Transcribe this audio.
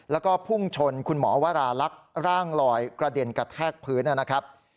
แล้วก็พุ่งชนคุณหมอวราลักษณ์ร่างลอยกระเด็นกระแทกพื้นนะครับ